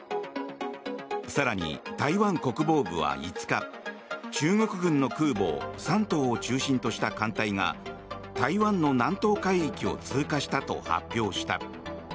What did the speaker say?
更に、台湾国防部は５日中国軍の空母「山東」を中心とした艦隊が台湾の南東海域を通過したと発表した。